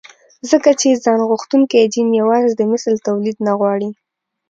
ځکه چې ځانغوښتونکی جېن يوازې د مثل توليد نه غواړي.